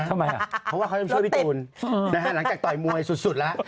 เพราะว่าเขายังช่วยพี่ตูนนะฮะหลังจากต่อยมวยสุดแล้ว